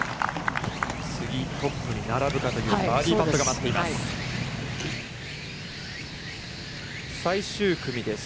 次、トップに並ぶかというバーディーパットが待っています。